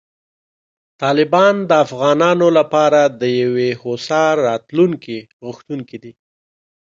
طالبان د افغانانو لپاره د یوې هوسا راتلونکې غوښتونکي دي.